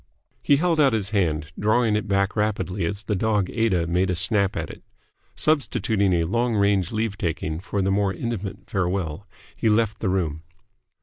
He held out his hand, drawing it back rapidly as the dog Aida made a snap at it. Substituting a long range leave taking for the more intimate farewell, he left the room.